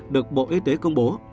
được bộ y tế công bố